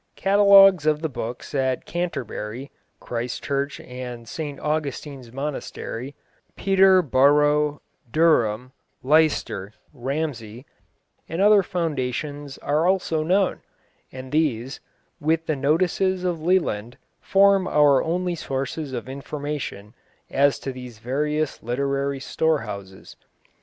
Catalogues of the books at Canterbury (Christ Church and St Augustine's monastery), Peterborough, Durham, Leicester, Ramsey, and other foundations are also known, and these, with the notices of Leland, form our only sources of information as to these various literary storehouses.